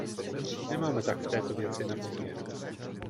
Nemáme tak v této věci na výběr.